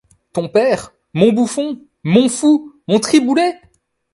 Ton père! mon bouffon ! mon fou ! mon Triboulet !